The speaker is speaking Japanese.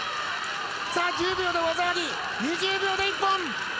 さあ、１０秒で技あり、２０秒で一本。